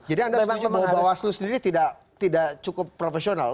jadi anda setuju bahwa bawaslu sendiri tidak cukup profesional